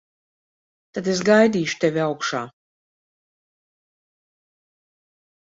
Tad es gaidīšu tevi augšā.